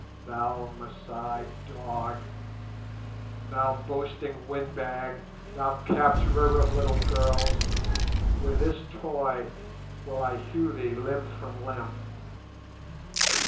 "Thou Masai dog, thou boasting windbag, thou capturer of little girls, with this 'toy' will I hew thee limb from limb.